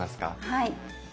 はい。